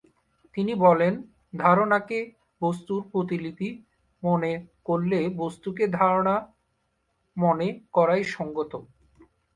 তিনি বলেন ধারণাকে বস্তুর প্রতিলিপি মনে করলে বস্তুকে ধারণা মনে করাই সঙ্গত।